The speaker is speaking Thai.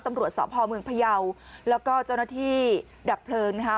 ตำรวจสพเมืองพยาวแล้วก็เจ้าหน้าที่ดับเพลิงนะคะ